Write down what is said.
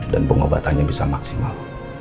dan pengobatannya bisa maksimal